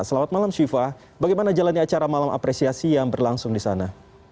selamat malam shiva bagaimana jalannya acara malam apresiasi yang berlangsung di sana